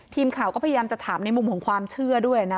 ทีมข่าวก็พยายามจะถามในมุมของความเชื่อด้วยนะ